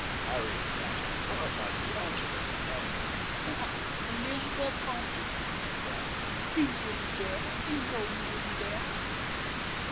Harriet cast a horrified glance at her companion. "Why, Elizabeth Compton," she cried, "you wouldn't dare. You know you wouldn't dare!"